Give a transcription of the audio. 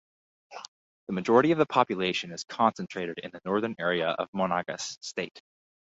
The majority of the population is concentrated in the northern area of Monagas state.